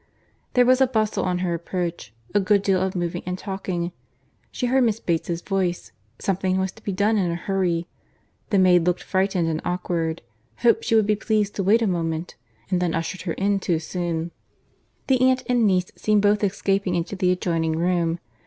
There was a bustle on her approach; a good deal of moving and talking. She heard Miss Bates's voice, something was to be done in a hurry; the maid looked frightened and awkward; hoped she would be pleased to wait a moment, and then ushered her in too soon. The aunt and niece seemed both escaping into the adjoining room.